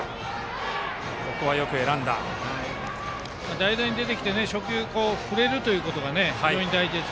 代打で出てきて初球振れることが非常に大事です。